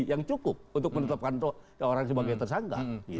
yang cukup untuk menetapkan orang sebagai tersangka